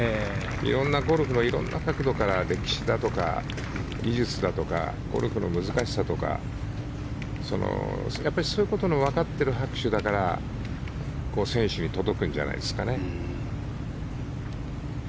色んなゴルフの色んな角度から歴史だとか技術だとかゴルフの難しさとかそういうことのわかっている拍手だから選手に届くんじゃないですかね。